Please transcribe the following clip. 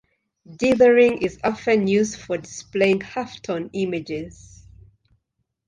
Dithering is often used for displaying halftone images.